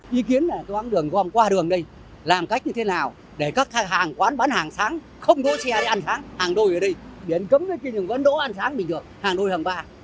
hàng đôi ở đây biến cấm cái kinh doanh vấn đổ an sáng mình được hàng đôi hàng ba